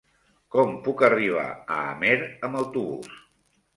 Com puc arribar a Amer amb autobús?